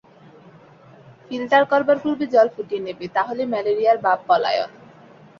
Filter করবার পূর্বে জল ফুটিয়ে নেবে, তা হলে ম্যালেরিয়ার বাপ পলায়ন।